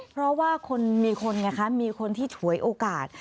เพราะว่ามีคนที่ถ่วยโอกาส